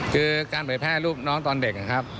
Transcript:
คือการปริแพร่รูปน้องตอนเด็ก